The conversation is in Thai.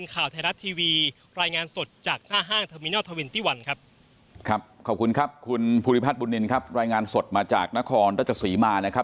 ขอบคุณครับคุณภูริพัฒนบุญนินครับรายงานสดมาจากนครราชสีมานะครับ